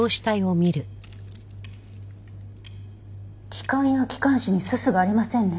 気管や気管支にすすがありませんね。